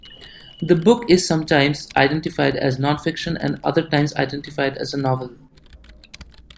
The book is sometimes identified as nonfiction and other times identified as a novel.